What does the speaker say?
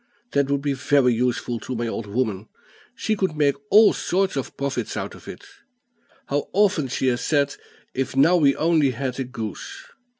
That would be very useful to my old woman; she could make all sorts of profits out of it. How often she has said, 'If now we only had a goose!'